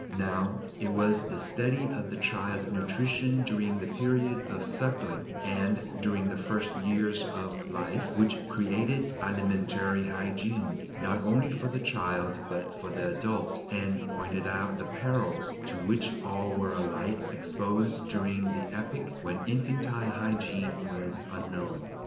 Now it was the study of the child's nutrition during the period of suckling and during the first years of life which created alimentary hygiene, not only for the child but for the adult, and pointed out the perils to which all were alike exposed during the epoch when infantile hygiene was unknown.